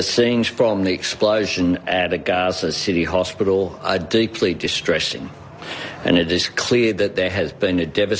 semua rumah sakit di gaza di